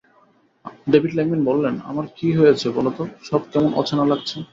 David Langman বললেন, আমার কী হয়েছে বল তো, সব কেমন অচেনা লাগছে।